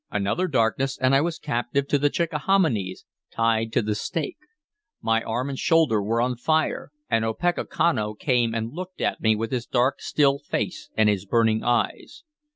Another darkness, and I was captive to the Chickahominies, tied to the stake. My arm and shoulder were on fire, and Opechancanough came and looked at me, with his dark, still face and his burning eyes.